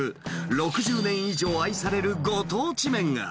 ６０年以上愛されるご当地麺が。